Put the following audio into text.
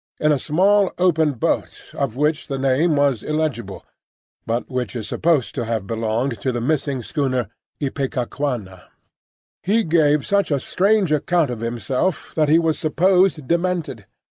in a small open boat of which the name was illegible, but which is supposed to have belonged to the missing schooner Ipecacuanha. He gave such a strange account of himself that he was supposed demented.